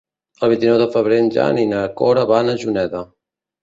El vint-i-nou de febrer en Jan i na Cora van a Juneda.